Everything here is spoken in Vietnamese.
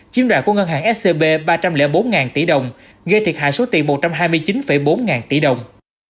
chiếm đoạn của ngân hàng scb ba trăm linh bốn tỷ đồng gây thiệt hại số tiền một trăm hai mươi chín bốn ngàn tỷ đồng